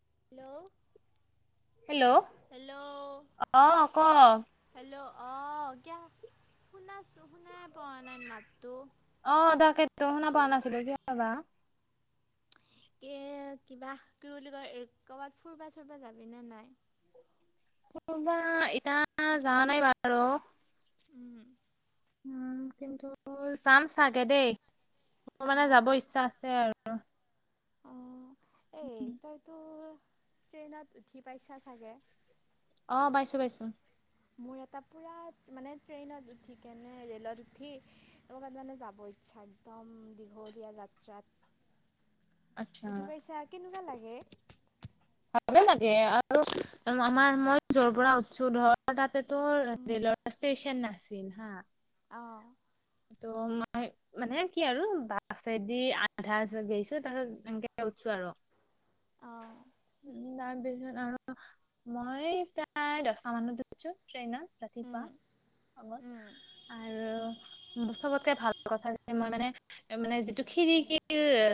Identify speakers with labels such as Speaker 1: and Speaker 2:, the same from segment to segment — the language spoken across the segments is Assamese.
Speaker 1: হেল্ল'।
Speaker 2: হেল্ল'!
Speaker 1: হেল্ল'
Speaker 2: অহ ক।
Speaker 1: হেল্ল' অ শুনাইছো শুনাই পোৱা নাই মাতটো।
Speaker 2: অ তাকেইতো শুনা পোৱা নাছিলো। কিয় বা?
Speaker 1: কে কিবা কি বুলি কয় কৰবাত ফুুৰবা-চুৰবা যাবি নে নাই?
Speaker 2: ফুৰবা এতিয়া যাৱা নাই বাৰু।
Speaker 1: উম।
Speaker 2: উম কিন্তু যাম চাগে দেই। মোৰ মানে যাব
Speaker 1: অঁ
Speaker 2: ইচ্ছা আছে আৰু। দ [unintelligible]
Speaker 1: অঁ এই তইতো- [unintelligible] ট্ৰেইনত উঠি পাইছা চাগে।
Speaker 2: অ পাইছোঁ পাইছোঁ।
Speaker 1: মোৰ এটা পূৰা মানে ট্ৰেইনত উঠিকেনে ৰে'লত উঠি ক'বাত মানে যাব ইচ্ছা একদম দীঘলীয়া যাত্ৰাত।
Speaker 2: আচ্ছা
Speaker 1: উঠি পাইছা কেনেকুৱা লাগে?
Speaker 2: ভালে লাগে আৰু আমাৰ মই যৰ পৰা উঠিছো ধৰ তাতে তো
Speaker 1: উম
Speaker 2: ৰে'লৰ ষ্টেচন নাছিল হা। [unintelligible]
Speaker 1: অঁ।
Speaker 2: ত মই মানে কি আৰু বাছেদি আধা গৈছো তাৰপাছত এনেকে উঠিছো আৰু
Speaker 1: অঁ
Speaker 2: উম তাৰপিছত আৰু মই প্ৰায় দহটা মানত উঠিছোঁ ট্ৰেইনত। [unintelligible] ৰাতিপুৱা
Speaker 1: উম
Speaker 2: আগত
Speaker 1: উম
Speaker 2: আৰু- [unintelligible] চবতকে ভাল কথা যে মই মানে মানে যিটো খিৰিকীৰ এ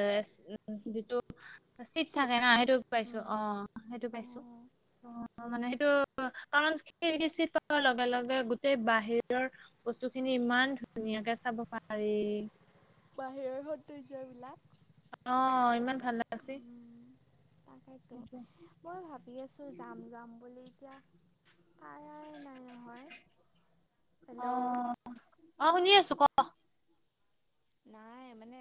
Speaker 2: উম যিটো- চিট
Speaker 1: চিত
Speaker 2: থাকে না সেইটো পাইছো
Speaker 1: উম
Speaker 2: অ সেইটো পাইছো।
Speaker 1: বাহিৰৰ
Speaker 2: অ মানে সেইটো কাৰণি পোৱাৰ লগে লগে গোটেই বাহিৰৰ বস্তু খিনি ইমান ধ- [unintelligible] ধুনীয়াকে চাব পাৰি।
Speaker 1: বাহিৰৰ সন্দৌয্য বিলাক।
Speaker 2: অ ইমান ভাল লাগছে। [unintelligible]
Speaker 1: তাকেইতো মই ভাবি আছোঁ যাম যাম বুলি। এতিয়া তাই- হেল্ল'
Speaker 2: আঁহ অ শুনি আছো ক।
Speaker 1: নাই মানে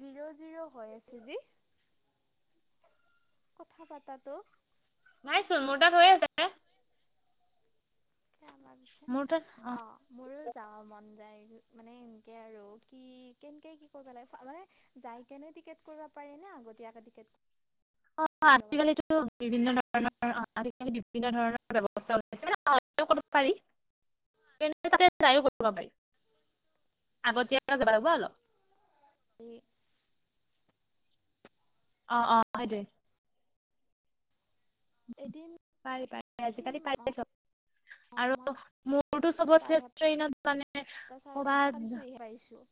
Speaker 1: জিৰ' জিৰ'- হৈ আছে যি- কথা পাতাটো।
Speaker 2: নাইচোন মোৰ তাত হৈ আছে।
Speaker 1: আমাৰ পিছে
Speaker 2: মোৰ তাত
Speaker 1: অ মোৰো যাব মন যায়। [unintelligible] মানে এনেকে আৰু কি কেনেকে কি কৰিব লাগে মানে যাই কেনে টিকেট কৰিব পাৰি নে আগতীয়াকে টিকেট- [unintelligible]
Speaker 2: অ
Speaker 1: কৰি ল'ব লাগে।
Speaker 2: আজিকালিতো বিভিন্ন ধৰণৰ অ আজিকালি- বিভিন্ন ধৰণৰ ব্যৱস্থা ওলাইছে পাৰা যায় পাৰি। [unintelligible] আগতিয়াকে যাব লাগিব অলপ।
Speaker 1: এই-
Speaker 2: অ অ দে।
Speaker 1: এদিন
Speaker 2: পাৰ পাৰে আজিকালি
Speaker 1: অ'
Speaker 2: পাৰে চব আৰু
Speaker 1: মই
Speaker 2: মোৰতো
Speaker 1: প্ৰায়
Speaker 2: চবতকে ট্ৰেইনত মানে
Speaker 1: সপ্তাহ চাৰিআলিত যাম
Speaker 2: ক'বাত-
Speaker 1: চুইহে পাইছোঁ।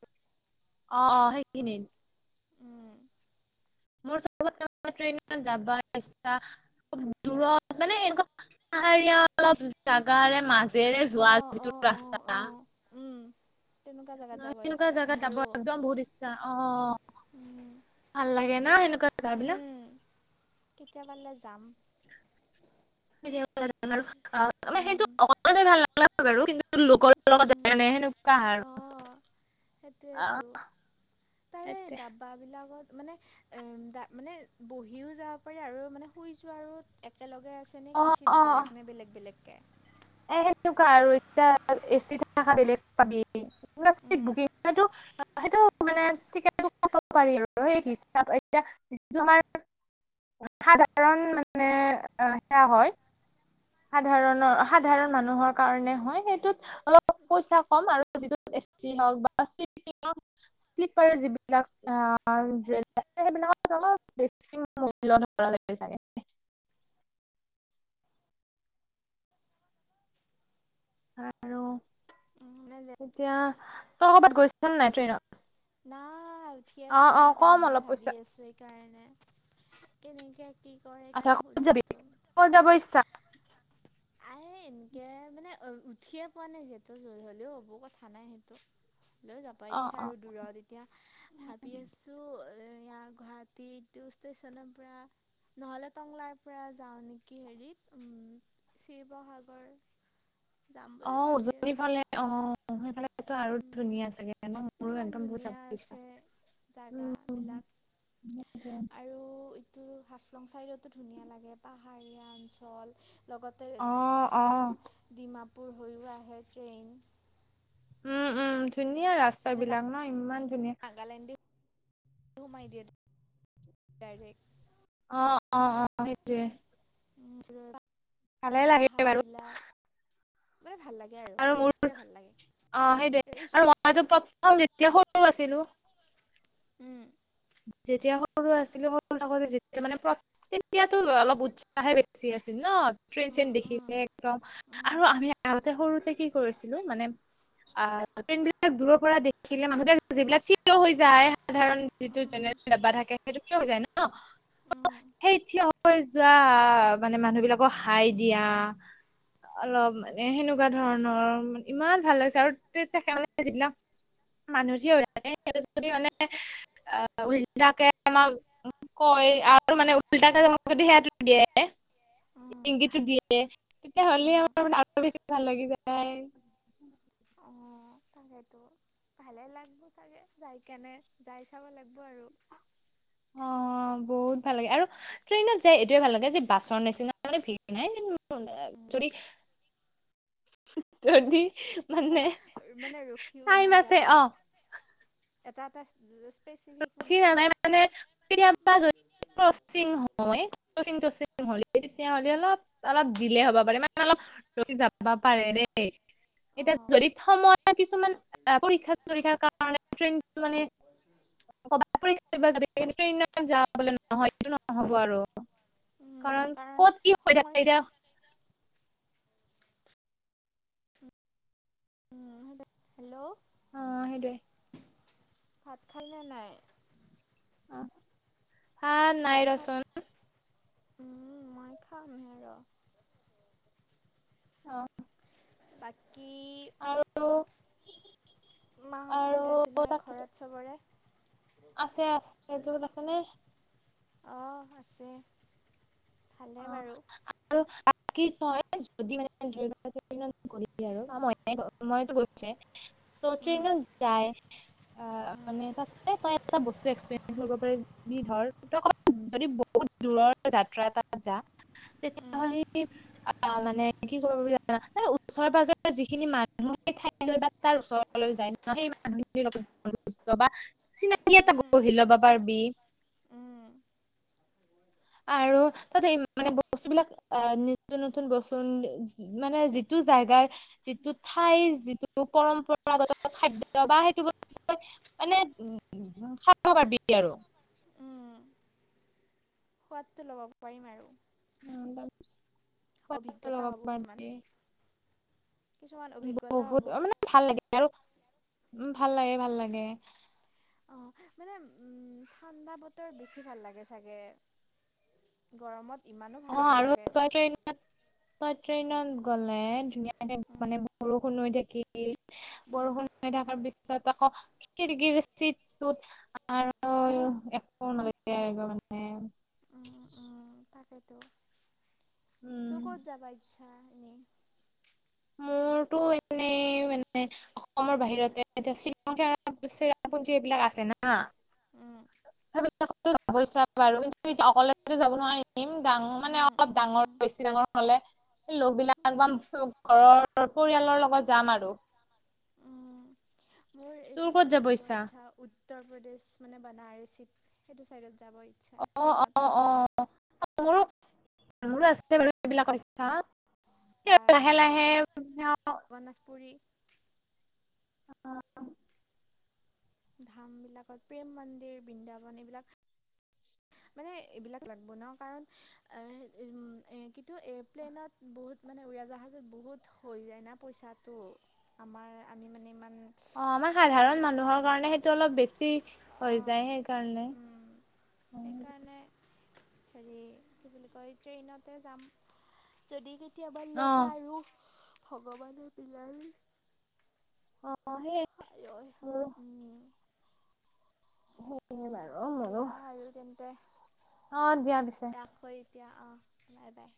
Speaker 2: অ সেইখিনিত।
Speaker 1: উম
Speaker 2: মোৰ ছবতকে মানে ট্ৰেইন যাবা ইচ্ছা দূৰত মানে এনেকুৱা পাহাৰীয়া অলপ জাগাৰে মাজ- যে যোৱা
Speaker 1: অঁ অঁ
Speaker 2: যিটো
Speaker 1: অঁ
Speaker 2: ৰাস্তা-
Speaker 1: অঁ উম তেনেকুৱা জেগাত যাব
Speaker 2: সেনেকুৱা
Speaker 1: ইচ্ছা
Speaker 2: জাগাত যাব
Speaker 1: মোৰো
Speaker 2: একদম বহুত ইচ্ছা আহ ভাল লাগে ন
Speaker 1: কিন্তু
Speaker 2: সেনেকুৱা জাগাবিলাক
Speaker 1: উম কেতিয়াবালে যাম
Speaker 2: কেতিয়া মানে আৰু মানে আহ
Speaker 1: উম
Speaker 2: সেইটো কললে ভাল [unintelligible] [unintelligible] বা বাৰু কিন্তু। লোকৰ লগত
Speaker 1: উম
Speaker 2: জা নাই সেনেকুৱা সাৰ
Speaker 1: অঁ সেইটোৱেতো
Speaker 2: আহ
Speaker 1: তাৰে
Speaker 2: সটোৱে।
Speaker 1: ডাব্বাবিলাকত মানে এম দা মানে বহিও যাব পাৰি আৰু মানে শুই যোৱা আৰু একেলগে। আছে নে
Speaker 2: অ',
Speaker 1: কিচিত
Speaker 2: অ',
Speaker 1: বিলাক নে বেলেগ বেলেগ। একে
Speaker 2: এ সেনেৱা আৰু এতিয়া এ চি থ বেলেগ পাবি
Speaker 1: উম
Speaker 2: বুক সেইটো মানে পাৰি আৰু হি এতিয়া য আমাৰ সাধাৰণ মানে সেয়া হয়। সাধণ সাধাৰণ মানুহৰ কাৰণে হয় সেইটোত অলপ পইচা কম আৰু যিটো হওক বা্প যিবিলাক আহ সেইবিলাক অলপ বেছি মূল। আ আৰু
Speaker 1: মানে যে
Speaker 2: এতিয়া আহ। ত ক'ৰবাত গৈছিল নাই টেইনত?
Speaker 1: নাই উঠিয়ে পোৱা
Speaker 2: অ
Speaker 1: নাই যাম
Speaker 2: কম
Speaker 1: বুলি
Speaker 2: অলপ
Speaker 1: ভাবি
Speaker 2: পইচা
Speaker 1: আছো এতিয়া এনে কেনেকে কি কৰে
Speaker 2: আচ্ছা
Speaker 1: কাৰণে
Speaker 2: ক'ত যাবি
Speaker 1: হুদো
Speaker 2: ক'ত যাব ইচ্ছা
Speaker 1: আহিম কে মানে উঠিয়ে পোৱা নাই যিহেতু হলেও অবোৰ কথা নাই সেইটো। লৈ যাব
Speaker 2: অ
Speaker 1: ইচ্ছা
Speaker 2: অ
Speaker 1: আৰু দূৰত এতিয়া ভাবি আছোঁ। ইয়াৰ গুৱাহাটী ষ্টে্যনৰ পৰা নহ'লে টংলাৰ পৰা যাওঁ নেকি হেৰিত উম। শিৱসাগৰ যাম
Speaker 2: অ
Speaker 1: বুলি ভাবি
Speaker 2: উজনি
Speaker 1: আছোঁ
Speaker 2: ফালে অ সেইফালে আৰু ধুনীয়া চাগে মোৰো
Speaker 1: কিছুমান
Speaker 2: একদম বহুত
Speaker 1: ধুনীয়া
Speaker 2: ইচ্ছা।
Speaker 1: আছে জাগাবিলাক আৰু এইটো হাফলং চাইডতো ধুনীয়া লাগে পাহাৰীয়া অঞ্চল।
Speaker 2: অ
Speaker 1: লগতে
Speaker 2: অ
Speaker 1: কিছুমান ডিমাপ কপোৰ হৈও আহে ট্ৰেইন।
Speaker 2: উম উম। ধুনীয়া ৰাস্তা বিলাক ন ইমান ধুনীয়া।
Speaker 1: মাইডিয়া ডাইৰেক
Speaker 2: অ অ অ সেইটোৱে।
Speaker 1: উম ৰবা।
Speaker 2: ভালে লাগে বাৰু
Speaker 1: মেনে ভাল লাগে।
Speaker 2: আৰু মোৰ
Speaker 1: পৰিৱেশটোৱে ভাল লাগে
Speaker 2: অ
Speaker 1: এই
Speaker 2: সেইটোৱে
Speaker 1: ওচ-
Speaker 2: আৰু মইতো প্ৰথম যেতিয়া সৰু আছিলো।
Speaker 1: উম,
Speaker 2: যেতিয়া সৰু আছিলো সৰু আতে যেতিয়া মানে তেতিয়াতো অলপ উৎসাহে বেছি আছিল ন ট্ৰেইন চেইন
Speaker 1: উম, উম,
Speaker 2: দেখিলে একদম
Speaker 1: উম,
Speaker 2: আৰু আমি আগতে সৰুতে কি কৰিছিলো মানে আহ ট্ৰেইন বিলাক দূৰৰ পৰা দেখিলে মানুহ যিবিলাক থিয় হৈ যায় সাধাৰণ যিটো
Speaker 1: উম,
Speaker 2: জেনেৰেল ডাব্বা থাকে সেইটো কিয় হৈ যায় ন? অ অ
Speaker 1: উম,
Speaker 2: সেই থিয়। যোৱা মানে মানুহ বিলাকক হাই দিয়া অলপ মানে সেনেকুৱা ধৰণৰ ইমান ভাল লাগিছে আৰু তে সেইবিলাক, যিবিলাক মানুহ থিয় হৈ সিহঁতে যদি মানে, অ 'উল্টাকে আমাক কয় আৰু মানে উল্টাকে যদি সেয়াটো দিয়ে
Speaker 1: উম,
Speaker 2: ইংগিতটো দিয়ে তেতিয়াহলে
Speaker 1: উম,
Speaker 2: আমাৰ বেছি ভাল লাগি যায়।
Speaker 1: অ', তাকেতো ভালে লাগব চাগে যাই কেণে যাই চাবা লাগব আৰু।
Speaker 2: অ', বহুত ভাল লাগে আৰু ট্ৰেইনত যাই এইটোয়ে ভাল লাগে যে বাছৰ নিচিনা ভিৰ নাই,
Speaker 1: উম,
Speaker 2: যদি, যদি, মানে
Speaker 1: মন -মানে ৰখিও
Speaker 2: টাইম আছে
Speaker 1: নাযায়
Speaker 2: অ'
Speaker 1: এটা [unintelligible]
Speaker 2: [unintelligible] তেতিয়াহলে অলপ -অলপ দিলে হ'ব পাৰে মানে অলপ ৰৈ যাব পাৰে দেই এতিয়া
Speaker 1: অঁ
Speaker 2: যদি সময় কিছুমান পৰীক্ষা- চৰিক্ষাৰ কাৰণে ট্ৰেইন মানে, [unintelligible] কাৰণ ক'ত কি
Speaker 1: উম,
Speaker 2: হৈ
Speaker 1: কাৰণ সময়
Speaker 2: থাকে এতিয়া,
Speaker 1: উম, হেল্ল' অ
Speaker 2: অ, সেইটোৱে
Speaker 1: ভাত খালে নে নাই?
Speaker 2: ভাত নাই ৰচোন
Speaker 1: উম, খাম হে ৰ'
Speaker 2: অহ,
Speaker 1: বাত কি মাহত
Speaker 2: আৰু
Speaker 1: ভালে আছে নহয়
Speaker 2: তাক
Speaker 1: ঘৰত চবৰে?
Speaker 2: আছে -আছে তোৰ আছে নে?
Speaker 1: অহ, আছে। ভালে
Speaker 2: অ
Speaker 1: বাৰু
Speaker 2: ', আৰু [unintelligible] ত'
Speaker 1: উম,
Speaker 2: ট্ৰেইনত যাই
Speaker 1: উম,
Speaker 2: মানে তাতে তই এটা বস্তু এক্সপেৰিয়েঞ্চ কৰিব পাৰি, বুলি ধৰ কবাত যদি বহুত দূৰৰ যাত্ৰা এটা, যা
Speaker 1: উম,
Speaker 2: তেতিয়াহ'লি আহ, মানে কি কৰবি ওচৰে পাজৰে যিখিনি মানুহ সেই ঠাইলৈ বা তাৰ ওচৰলৈ যায় ন' সেই মানুহখিনিৰ লগত বা চিনাকি এটা
Speaker 1: উম,
Speaker 2: গঢ়ি লবা পাৰবি।
Speaker 1: উম,
Speaker 2: আৰু তাত এই মানে বস্তুবিলাক আহ, নতুন নতুন বস্তু মানে যিটো জাগাৰ যিটো ঠাইৰ যিটো পৰম্পৰাগত খাদ্য বা সেইটো বস্তুই মানে উম, খাব পাৰি আৰু।
Speaker 1: উম। সোৱাদটো ল'ব পাৰিম আৰু,
Speaker 2: অ', তাৰপিছত সোৱাদ টো অলপ
Speaker 1: অভিজ্ঞতা হ'ব
Speaker 2: লব
Speaker 1: কিছুমান
Speaker 2: পাৰবি।
Speaker 1: কিছুমান অভিজ্ঞতা
Speaker 2: বহুত
Speaker 1: হ'ব
Speaker 2: অ 'মানে ভাল লাগে আৰু। উম, ভাল লাগে, ভাল লাগে।
Speaker 1: অ, মানে উম, ঠাণ্ডা বতৰ বেছি ভাল লাগে চাগে গৰমত। ইমানো ভাল
Speaker 2: অ' আৰু
Speaker 1: নালাগে
Speaker 2: তই ট্ৰেইনত তই, ট্ৰেইনত গলে ধুনীয়া, মানে
Speaker 1: উম,
Speaker 2: -মানে বৰষুণ হৈ থাকে।
Speaker 1: উম,
Speaker 2: বৰষুণ হৈ থকাৰ পিছত আকৌ খিৰিকিৰ চিটটোত আৰু একো নালাগে মানে।
Speaker 1: তাকে তৌ। তোৰ
Speaker 2: উম,
Speaker 1: ক'ত যাবা ইচ্ছা। এনেই
Speaker 2: মোৰতো এনেই মানে অসমৰ বাহিৰতে এতিয়া শ্ৰীলংকাৰ ৰামপুঞ্জী এইবিলাক আছে না।
Speaker 1: উম,
Speaker 2: গৈ চাম বাৰু কিন্ত এতিয়া অকলেতো যাব নোৱাৰিম। ডাঙৰ মানে
Speaker 1: উম,
Speaker 2: অলপ
Speaker 1: উম,
Speaker 2: ডাঙৰ,
Speaker 1: উম,
Speaker 2: বেছি ডাঙৰ হ'লে লগৰবিলাক বা
Speaker 1: উম।
Speaker 2: ঘৰৰ পৰিয়ালৰ লগত যাম আৰু।
Speaker 1: মোৰ
Speaker 2: তোৰ ক'ত যাব ইচ্ছা?
Speaker 1: উত্তৰ প্ৰদেশ মানে বনাৰসীত সেইটো চাইডত যাব। ইচ্ছা
Speaker 2: অ!
Speaker 1: ট্ৰেইনত
Speaker 2: অ! অ! মোৰোঁ মোৰোঁ আছে বাৰু সেইবিলাক ইচ্ছা
Speaker 1: বা
Speaker 2: লাহে লাহে
Speaker 1: জগন্নাথ পুৰী ধামবিলাকত, প্ৰেম মন্দিৰ, বৃন্দাবন এইবিলাক মানে এইবিলাক ল'ব ন, কাৰণ এ উ কিন্তু এৰপ্লেইনত বহুত মানে উৰাজাহাজত বহুত হৈ যায় না পইচাটো আমাৰ আমি মানে ই।
Speaker 2: অ আমাৰ সাধাৰণ মানুহৰ কাৰণে, সেইটো অলপ বেছি হৈ
Speaker 1: অঁ
Speaker 2: যায়, সেই কাৰণে
Speaker 1: সেইকাৰণে হেৰি কি বুলি কয়, ট্ৰেইনতে যাম যদি কেতিয়াবা
Speaker 2: অ',
Speaker 1: আৰু ভগৱানৰ পিলাৰ
Speaker 2: অ', সেই
Speaker 1: আঐ! উম!
Speaker 2: হয়। এ বাৰু অ' মোৰোঁ
Speaker 1: আৰু তেন্তে
Speaker 2: অ দিয়া পিছে।
Speaker 1: ৰাখোঁ এতিয়া অঁ বাই বাই!